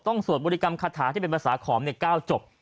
สวดบริกรรมคาถาที่เป็นภาษาขอมใน๙จบ